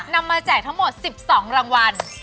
นำมาแจกทั้งหมด๑๒รางวัล